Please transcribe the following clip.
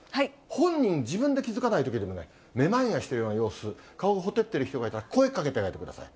本人、自分で気付かないときでも、めまいがしているような様子、顔がほてっている人がいたら、声かけてあげてください。